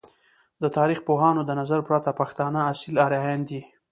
د تاریخ پوهانو د نظر پرته ، پښتانه اصیل آریایان دی!